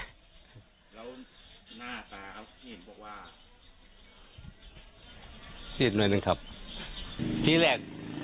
แล้วหน้าตาครับเห็นบอกว่าเจ็บหน่อยหนึ่งครับที่แรก